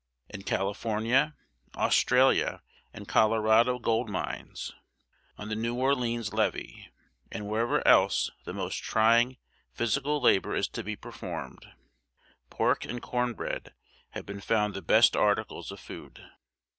In California, Australia, and Colorado goldmines, on the New Orleans levée, and wherever else the most trying physical labor is to be performed, pork and corn bread have been found the best articles of food.